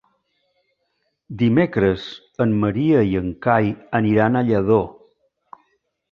Dimecres en Maria i en Cai aniran a Lladó.